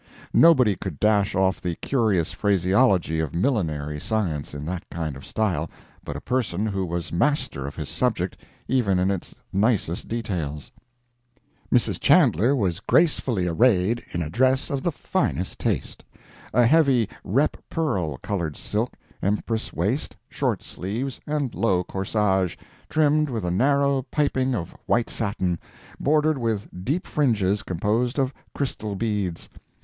Nobody could dash off the curious phraseology of millinery science in that kind of style, but a person who was master of his subject even in its nicest details: "Mrs. Chandler was gracefully arrayed in a dress of the finest taste—a heavy rep pearl colored silk, empress waist, short sleeves, and low corsage, trimmed with a narrow piping of white satin, bordered with deep fringes composed of crystal beads.